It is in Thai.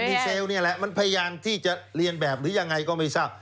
ดีเซลนี่แหละมันพยายามที่จะเรียนแบบหรือยังไงก็ไม่ทราบ